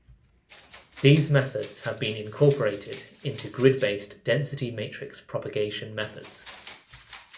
These methods have been incorporated into grid-based density matrix propagation methods.